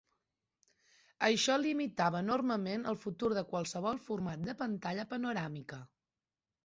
Això limitava enormement el futur de qualsevol format de pantalla panoràmica.